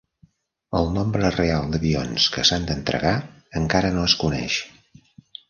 El nombre real d'avions que s'han d'entregar encara no es coneix.